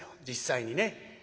実際にね。